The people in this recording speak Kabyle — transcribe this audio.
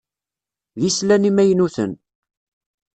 D islan imaynuten.